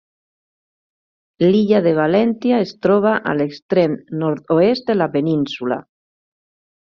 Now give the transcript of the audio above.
L'illa de Valentia es troba a l'extrem nord-oest de la península.